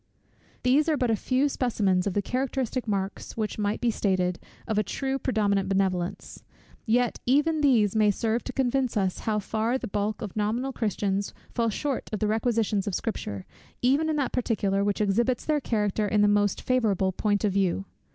These are but a few specimens of the characteristic marks which might be stated, of a true predominant benevolence; yet even these may serve to convince us how far the bulk of nominal Christians fall short of the requisitions of Scripture, even in that particular, which exhibits their character in the most favourable point of view.